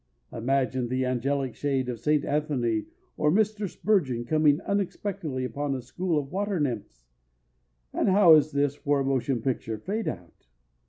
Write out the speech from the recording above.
Imagine the angelic shade of St. Anthony or Mr. Spurgeon coming unexpectedly upon a school of water nymphs! And how is this for a motion picture "fade out"?